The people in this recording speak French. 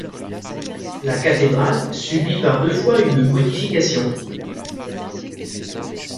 La cathédrale subit par deux fois une modification.